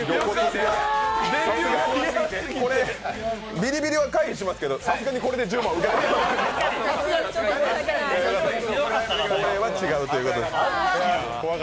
ビリビリは回避しますけどさすがにこれで１０万は受け取れません。